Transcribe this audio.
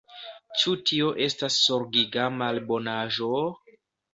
Ĉu tio estas zorgiga malbonaĵo?